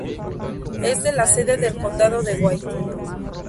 Es la sede del Condado de White.